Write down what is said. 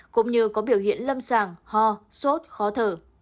cũng như có biểu hiện lâm sàng ho sốt khó thở